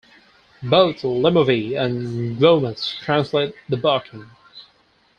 Both "Lemovii" and "Glommas" translate "the barking".